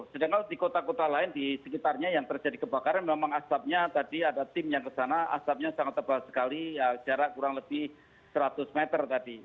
sedangkan di kota kota lain di sekitarnya yang terjadi kebakaran memang asapnya tadi ada tim yang kesana asapnya sangat tebal sekali jarak kurang lebih seratus meter tadi